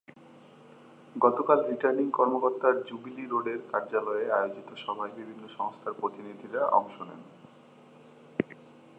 গতকাল রিটার্নিং কর্মকর্তার জুবিলি রোডের কার্যালয়ে আয়োজিত সভায় বিভিন্ন সংস্থার প্রতিনিধিরা অংশ নেন।